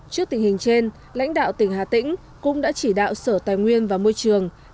trước tình hình trên lãnh đạo tỉnh hà tĩnh cũng đã chỉ đạo sở tài nguyên và môi trường